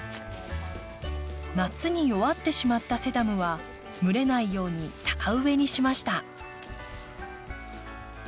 夏に弱ってしまったセダムは蒸れないように高植えにしました。